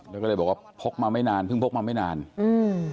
แล้วก็เลยบอกว่าพกมาไม่นานเพิ่งพกมาไม่นานอืม